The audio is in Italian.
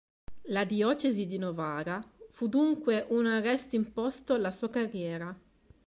La diocesi di Novara fu dunque un arresto imposto alla sua carriera.